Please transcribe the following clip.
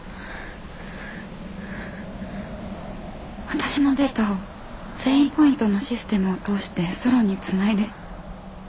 私のデータを善意ポイントのシステムを通してソロンにつないで。